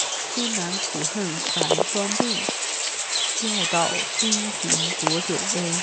艰难苦恨繁霜鬓，潦倒新停浊酒杯